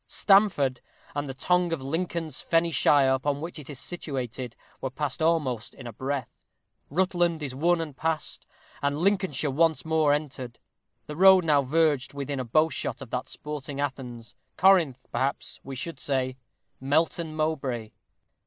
Stamford, and the tongue of Lincoln's fenny shire, upon which it is situated, were passed almost in a breath. Rutland is won and passed, and Lincolnshire once more entered. The road now verged within a bowshot of that sporting Athens Corinth, perhaps, we should say Melton Mowbray.